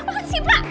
apaan sih pak